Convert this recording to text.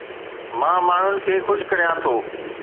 مان ماڻهن کي خوش ڪريان ٿو